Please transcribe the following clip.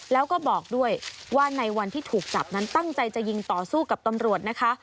แล้วก็บอกด้วยว่าในวันที่ถูกจับนั้นตั้งใจจะยิงต่อสู้กับตำรวจนะคะ